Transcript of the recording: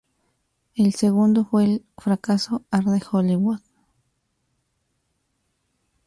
El segundo fue el fracaso "¡Arde Hollywood!